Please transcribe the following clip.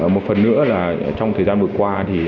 một phần nữa là trong thời gian vừa qua